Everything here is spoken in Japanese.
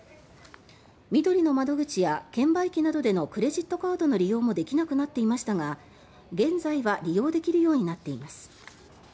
みどりの窓口や券売機などでのクレジットカードの利用もできなくなっていましたが現在は利用できるようになっています。